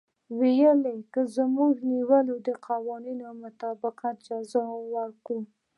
وايي که موږ ونيول د قوانينو مطابق جزا ورکوو.